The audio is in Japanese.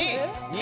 ２！